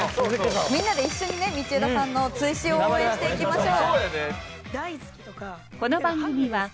みんなで一緒にね道枝さんの追試を応援していきましょう。